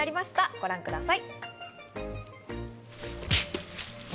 ご覧ください。